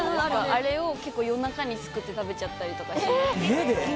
あれを夜中に作って食べちゃったりとかしてます。